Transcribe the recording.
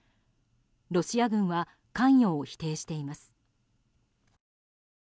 ロシア軍は関与を否定しています。